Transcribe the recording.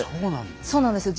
そうなんですね。